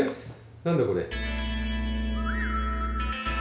何だこれ。